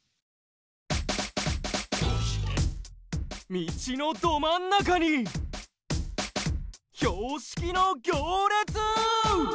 みちのどまんなかに標識のぎょうれつ！